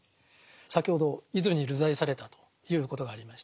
先ほど伊豆に流罪されたということがありました。